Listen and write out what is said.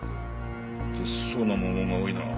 物騒な文言が多いな。